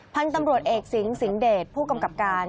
พันธุ์ตำรวจเอกสิงสิงห์เดชผู้กำกับการ